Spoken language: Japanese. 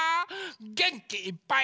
げんきいっぱい。